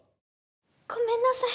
ごめんなさい。